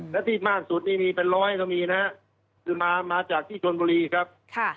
และที่มากสุดนี่มีเป็นร้อยก็มีนะฮะคือมาจากที่ชนบุรีครับ